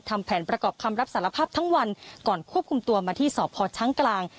ทำแผนประกอบคำรับสารภาพทั้งวันก่อนควบคุมตัวมาที่สพช้างกลาง